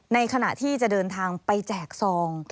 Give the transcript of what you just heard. ในขณะที่จะเดินทางไปแจกซอง